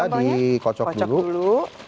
kita dikocok dulu